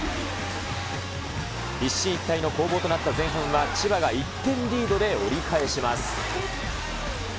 一進一退の攻防となった前半は千葉が１点リードで折り返します。